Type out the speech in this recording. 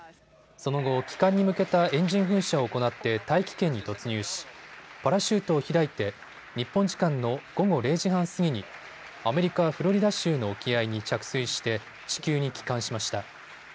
その後、帰還に向けたエンジン噴射を行って大気圏に突入しパラシュートを開いて日本時間の午後０時半過ぎにアメリカ・フロリダ州の沖合に着水して地球に帰還しました。